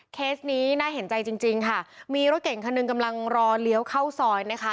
เคสนี้น่าเห็นใจจริงจริงค่ะมีรถเก่งคันหนึ่งกำลังรอเลี้ยวเข้าซอยนะคะ